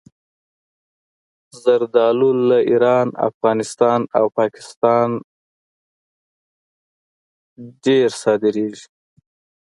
زردالو له ایران، افغانستان او پاکستانه ډېره صادرېږي.